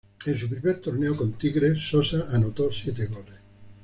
En su primer torneo con Tigres, Sosa anotó siete goles.